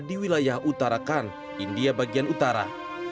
di wilayah utarakan india bagian utara